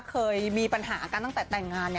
เคยมีปัญหากันตั้งแต่แต่งงาน